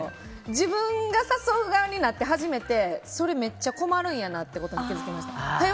自分が誘う側になって初めてそれめっちゃ困るんやなって気づきました。